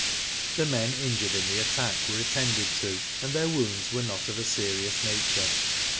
The men injured in the attack were attended to, and their wounds were aot of a serious nature.